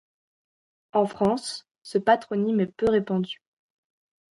En France, ce patronyme est peu répandu.